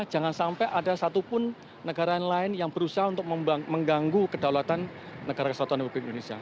jangan sampai ada satupun negara lain yang berusaha untuk mengganggu kedaulatan negara kesatuan republik indonesia